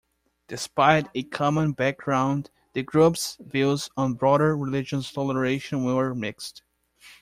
Despite a common background, the groups' views on broader religious toleration were mixed.